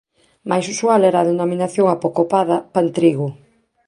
Máis usual era a denominación apocopada "pantrigo".